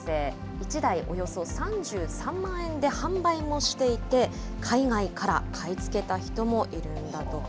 １台およそ３３万円で販売もしていて、海外から買い付けた人もいるんだとか。